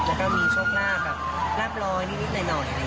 แล้วก็มีโชคราบแบบรับร้อยนิดหน่อยอย่างนี้